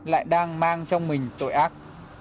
lại đang mang trong mình tội ác